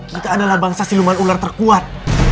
kita adalah bangsa siluman ular terkuat